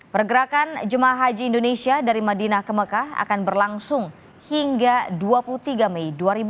pergerakan jemaah haji indonesia dari madinah ke mekah akan berlangsung hingga dua puluh tiga mei dua ribu dua puluh